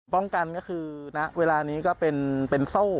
กันก็คือณเวลานี้ก็เป็นโซ่